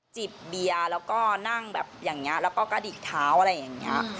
จิบเบียร์แล้วก็นั่งแบบอย่างนี้แล้วก็กระดิกเท้าอะไรอย่างนี้